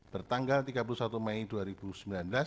bertanggal tiga puluh satu mei dua ribu sembilan belas